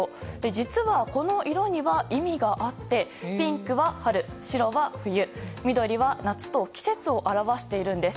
実は、この色には意味があってピンクは春、白は冬、緑は夏と季節を表しているんです。